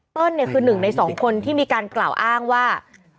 เนี่ยคือหนึ่งในสองคนที่มีการกล่าวอ้างว่า